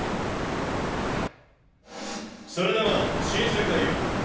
それでは「新世界より」